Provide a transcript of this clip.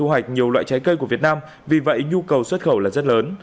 thu hoạch nhiều loại trái cây của việt nam vì vậy nhu cầu xuất khẩu là rất lớn